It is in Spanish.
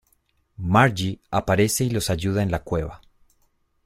Margie aparece y los ayuda en la cueva.